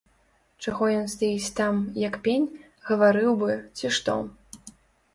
Чаго ён стаіць там, як пень, гаварыў бы, ці што.